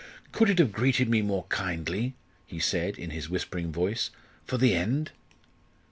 "Could it have greeted me more kindly," he said, in his whispering voice, "for the end?"